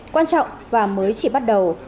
quan trọng và mới chỉ bắt đầu